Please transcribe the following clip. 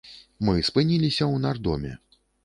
Мы спыніліся ў нардоме.